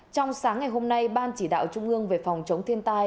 trong sáng ngày hôm nay ban chỉ đạo trung ương về phòng chống thiên tai